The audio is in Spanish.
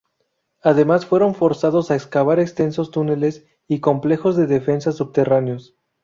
Además fueron forzados a excavar extensos túneles y complejos de defensa subterráneos.